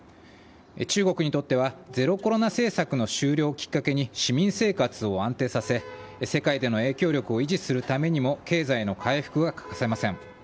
中国にとってはゼロコロナ政策の終了をきっかけに市民生活を安定させ世界での影響力を維持するためにも経済の回復が欠かせません。